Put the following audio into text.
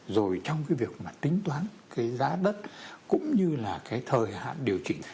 rồi trong việc tính toán giá đất cũng như thời hạn điều chỉnh